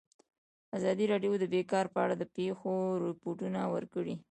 ازادي راډیو د بیکاري په اړه د پېښو رپوټونه ورکړي.